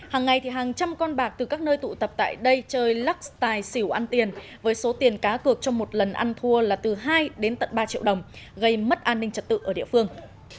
hàng ngày hàng trăm con bạc từ các nơi tụ tập tại đây chơi lắc tài xỉu ăn tiền với số tiền cá cược trong một lần ăn thua là từ hai đến tận ba triệu đồng gây mất an ninh trật tự ở địa phương